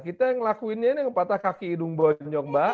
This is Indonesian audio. kita yang lakuinnya ini yang patah kaki idung bonyok mbak